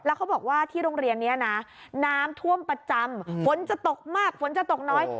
เขาบอกว่าที่โรงเรียนนี้นะน้ำท่วมประจำฝนจะตกมากฝนจะตกน้อย